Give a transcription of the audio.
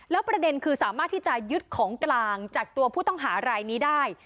แล้วประเด็นคือสามารถที่จะยึดของกลางจากตัวผู้ต้องหารายนี้ได้